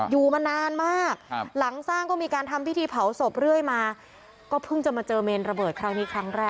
อยู่มานานมากหลังสร้างก็มีการทำพิธีเผาศพเรื่อยมาก็เพิ่งจะมาเจอเมนระเบิดครั้งนี้ครั้งแรก